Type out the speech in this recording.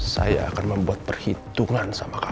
saya akan membuat perhitungan sama kami